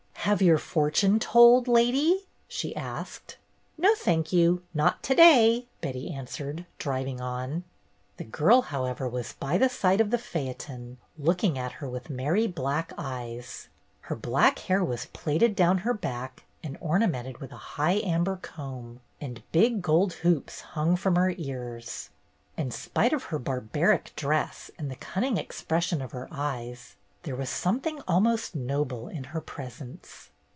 ''Have your fortune told, lady?" she asked. "No, thank you, not to day," Betty an swered, driving on. The girl, however, was by the side of the phaeton, looking at her with merry black eyes. ^9 290 BETTY BAIRD'S GOLDEN YEAR Her black hair was plaited down her back and ornamented by a high amber comb, and big gold hoops hung from her ears. In spite of her barbaric dress and the cunning expression of her eyes, there was something almost noble in her presence.